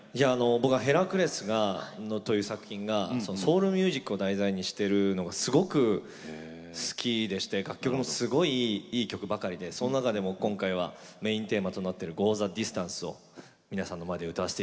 僕は「ヘラクレス」という作品がソウルミュージックを題材にしてるのがすごく好きでして楽曲もすごいいい曲ばかりでその中でも今回はメインテーマとなっている「ゴー・ザ・ディスタンス」を皆さんの前で歌わせて頂けるのは本当にうれしいです。